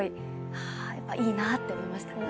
はぁやっぱいいなって思いました。